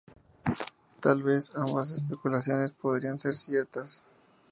Tal vez ambas especulaciones podrían ser ciertas.